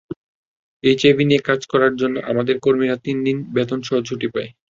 HIV নিয়ে কাজ করার জন্য আমাদের কর্মীরা তিন দিন বেতনসহ ছুটি পায়।